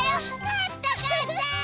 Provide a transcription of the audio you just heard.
かったかった！